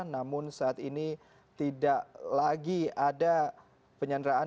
namun saat ini tidak lagi ada penyanderaan